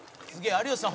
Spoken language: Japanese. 有吉さん